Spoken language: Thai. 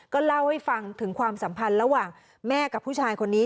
ก็เล่าให้ฟังถึงความสัมพันธ์ระหว่างแม่กับผู้ชายคนนี้